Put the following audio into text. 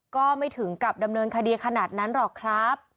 ก็ไม่ถึงกับดำเนินคดีขนาดนั้นหรอกครับ